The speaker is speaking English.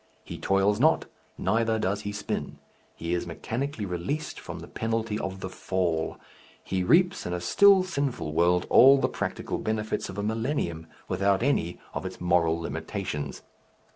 He toils not, neither does he spin; he is mechanically released from the penalty of the Fall, he reaps in a still sinful world all the practical benefits of a millennium without any of its moral limitations.